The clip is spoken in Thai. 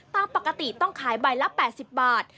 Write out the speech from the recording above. ตามปกติต้องขายใบละ๘๐บาท